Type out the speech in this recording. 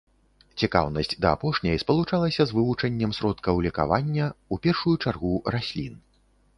Цікаўнасць да апошняй спалучалася з вывучэннем сродкаў лекавання, у першую чаргу раслін.